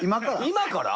今から？